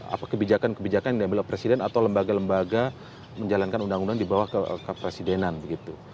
apa kebijakan kebijakan yang diambil oleh presiden atau lembaga lembaga menjalankan undang undang di bawah kepresidenan begitu